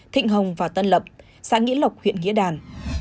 thịnh hồng và tân lập xã nghĩa lộc huyện nghĩa đàn